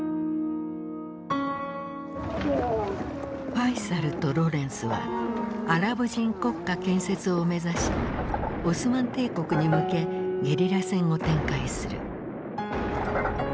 ファイサルとロレンスはアラブ人国家建設を目指しオスマン帝国に向けゲリラ戦を展開する。